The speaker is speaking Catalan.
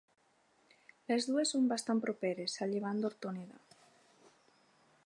Les dues són bastant properes, a llevant d'Hortoneda.